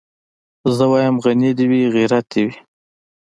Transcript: زه وايم غني دي وي غيرت دي وي